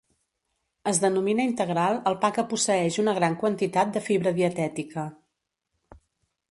Es denomina integral al pa que posseeix una gran quantitat de fibra dietètica.